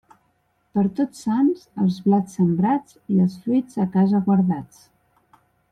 Per Tots Sants, els blats sembrats i els fruits a casa guardats.